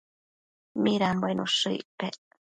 midanbuen ushë icpec?